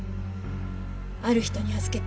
ある人に預けた。